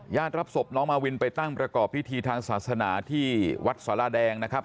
รับศพน้องมาวินไปตั้งประกอบพิธีทางศาสนาที่วัดสาราแดงนะครับ